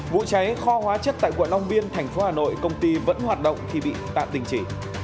vụ cháy kho hóa chất tại quận long biên thành phố hà nội công ty vẫn hoạt động khi bị tạm đình chỉ